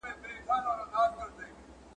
او د اطلاعاتو او کلتور وزارت